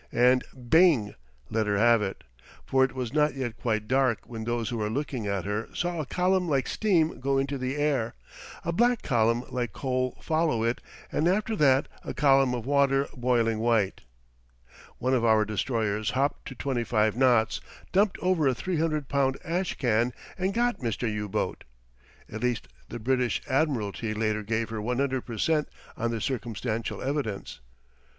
and, Bing! let her have it, for it was not yet quite dark when those who were looking at her saw a column like steam go into the air, a black column like coal follow it, and after that a column of water boiling white. One of our destroyers hopped to twenty five knots, dumped over a 300 pound "ash can," and got Mister U boat. At least, the British admiralty later gave her 100 per cent on the circumstantial evidence.